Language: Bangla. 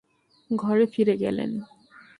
ঘরে ফিরে গেলেন।